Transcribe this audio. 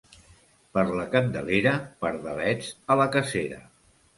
Per la Candelera, pardalets a la cacera.